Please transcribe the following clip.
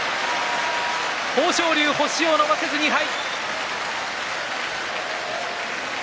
豊昇龍、星を伸ばせず２敗。